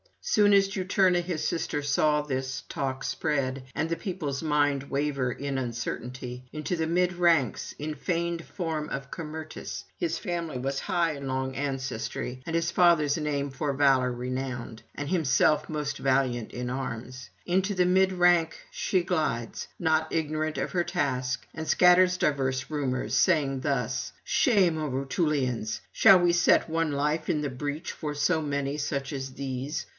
Soon as Juturna his sister saw this talk spread, and the people's mind waver in uncertainty, into the mid ranks, in feigned form of Camertus his family was high in long ancestry, and his father's name [226 260]for valour renowned, and himself most valiant in arms into the mid ranks she glides, not ignorant of her task, and scatters diverse rumours, saying thus: 'Shame, O Rutulians! shall we set one life in the breach for so many such as these?